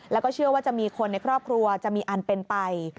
แล้วก็เชื่อว่าจะมีคนในครอบครัวจะมีอันเป็นไป